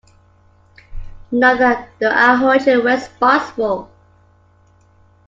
Neither do I hold You responsible.